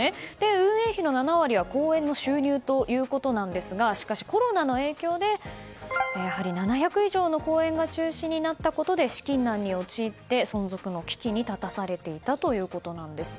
運営費の７割は公演の収入ということなんですがしかしコロナの影響で７００以上の公演が中止になったことで資金難に陥って存続の危機に立たされていたということなんです。